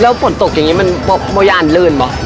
แล้วฝนตกอย่างนี้มันบ่ย่านลื่นป่ะ